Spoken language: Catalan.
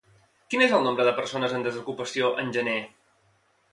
Quin és el nombre de persones en desocupació en gener?